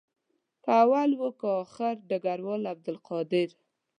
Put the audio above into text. که اول وو که آخر ډګروال عبدالقادر.